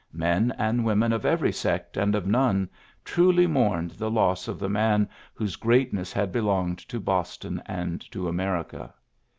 Men and women of every sect and of none truly mourned the loss of the man whose greatness had belonged to Bos ton and to America.